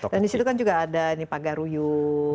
dan di situ kan juga ada pagaruyung